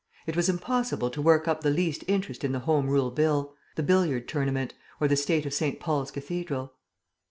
It was impossible to work up the least interest in the Home Rule Bill, the Billiard Tournament, or the state of St. Paul's Cathedral.